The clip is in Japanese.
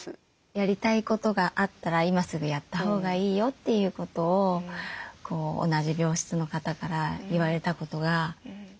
やりたいことがあったら今すぐやったほうがいいよっていうことを同じ病室の方から言われたことがずっと支えになってる。